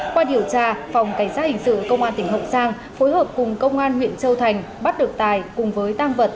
qua điều tra phòng cảnh sát hình sự công an tỉnh hậu giang phối hợp cùng công an huyện châu thành bắt được tài cùng với tăng vật